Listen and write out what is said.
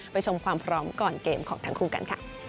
ชมความพร้อมก่อนเกมของทั้งคู่กันค่ะ